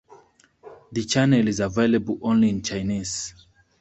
The channel is available only in Chinese.